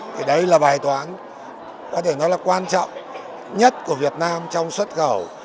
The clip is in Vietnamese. thì đấy là bài toán có thể nói là quan trọng nhất của việt nam trong xuất khẩu